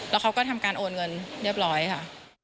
แล้วเขาก็ทำการโอนเงินเรียบร้อยค่ะ